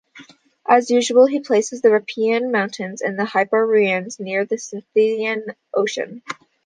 As usual, he places the Rhipaean Mountains and the Hyperboreans near the Scythian Ocean.